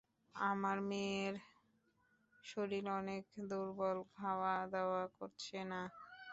আমার মেয়ের শরীর অনেক দুর্বল, খাওয়া দাওয়া করছে না।